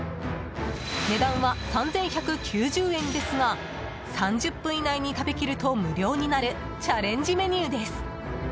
値段は３１９０円ですが３０分以内に食べ切ると無料になるチャレンジメニューです。